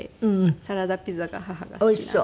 サラダピザが母が好きなので。